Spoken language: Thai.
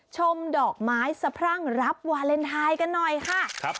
ชมดอกไม้สะพรั่งรับวาเลนไทยกันหน่อยค่ะ